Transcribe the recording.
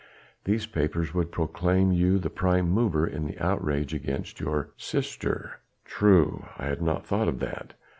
These papers would proclaim you the prime mover in the outrage against your sister." "True! I had not thought of that.